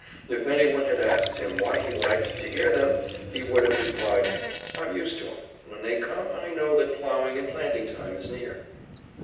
If anyone had asked him why he liked to hear them, he would have replied, "I'm used to 'em. When they come, I know that plowing and planting time is near."